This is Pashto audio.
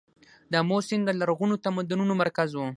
د امو سیند د لرغونو تمدنونو مرکز و